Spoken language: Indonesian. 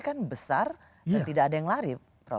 kan besar dan tidak ada yang lari prof